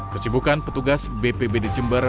kesibukan petugas bpb di jember